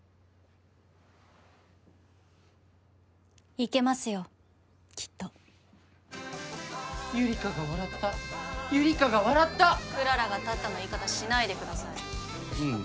いけますよきっとゆりかが笑ったゆりかが笑ったクララが立ったの言い方しないでくださいうん